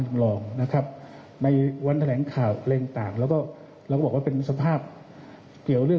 คุณผู้ชมครับในการชี้แจงของตำรวจในวันนี้